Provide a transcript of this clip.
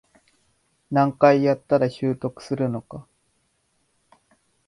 何回やったら習得するのか